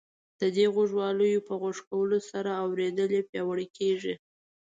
د دې غوږوالیو په غوږ کولو سره اورېدل یې پیاوړي کیږي.